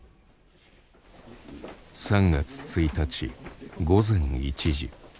３月１日午前１時。